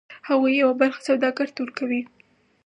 هغوی یوه برخه سوداګر ته ورکوي